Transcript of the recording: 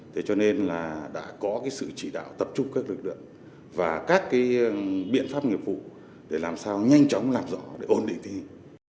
thế cho nên là đã có sự chỉ đạo tập trung các lực lượng và các biện pháp nghiệp vụ để làm sao nhanh chóng làm rõ để ôn định tình